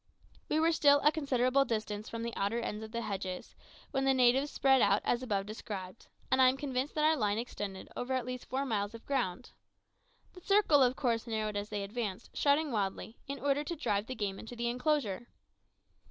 We were still a considerable distance from the outer ends of the hedges, when the natives spread out as above described, and I am convinced that our line extended over at least four miles of ground. The circle, of course, narrowed as they advanced, shouting wildly, in order to drive the game into the enclosure.